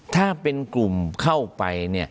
ถ้าเป็นกลุ่มเข้าไป